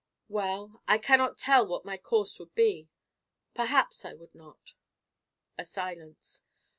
"Well I cannot tell what my course would be. Perhaps, I would not." A silence.